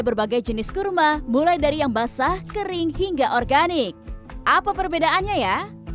berbagai jenis kurma mulai dari yang basah kering hingga organik apa perbedaannya ya